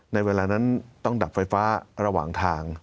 ในเวลานั้นต้องดับไฟฟ้าระหว่างทาง